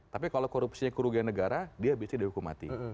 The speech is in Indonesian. tapi kalau korupsinya kerugian negara dia biasanya dihukum mati